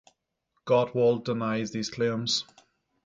Gottwald denies these claims.